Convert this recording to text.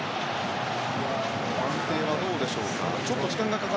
判定はどうでしょうか。